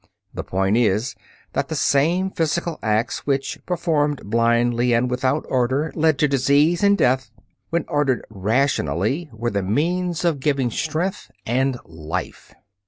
The point is, that the same physical acts which, performed blindly and without order, led to disease and death, when ordered rationally were the means of giving strength and life.